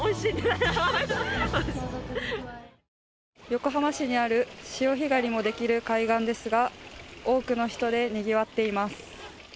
横浜市にある潮干狩りもできる海岸ですが多くの人でにぎわっています。